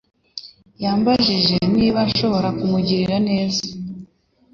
Yambajije niba nshobora kumugirira neza.